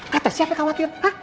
kata siapa yang khawatir hah